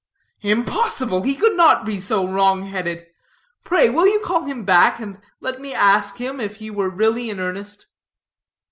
"Impossible! he could not be so wrong headed. Pray, will you call him back, and let me ask him if he were really in earnest?"